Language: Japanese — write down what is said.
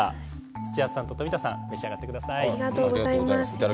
土屋さんと富田さん召し上がってください。